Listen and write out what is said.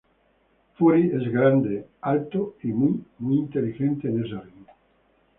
Fury es grande, alto y muy, muy inteligente en ese ring.